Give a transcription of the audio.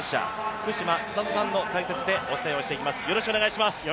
福島千里さんの解説でお伝えしていきます。